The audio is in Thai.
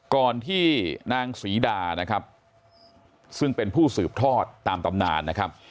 ก่อนที่นางศรีดานะครับซึ่งเป็นผู้สืบทอดตามตำนานนะครับ